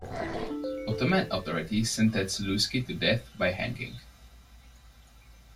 Ottoman authorities sentenced Levski to death by hanging.